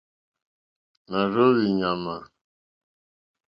Nà rzóhwì ɲàmà.